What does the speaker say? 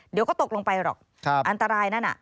เดี๋ยวก็ตกลงไปหรอกอันตรายนั่นน่ะ